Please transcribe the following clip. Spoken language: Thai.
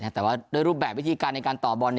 แต่ว่าด้วยรูปแบบวิธีการในการต่อบอล